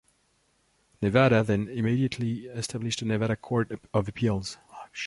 Nevada then immediately established a Nevada Court of Appeals.